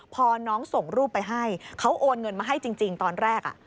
พอน้องส่งรูปไปให้เขาโอนเงินมาให้จริงตอนแรก